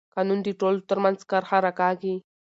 قانون د ټولو ترمنځ کرښه راکاږي